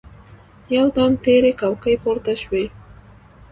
يودم تېرې کوکې پورته شوې.